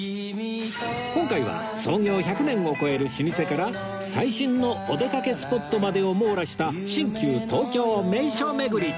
今回は創業１００年を超える老舗から最新のお出かけスポットまでを網羅した新旧東京名所巡り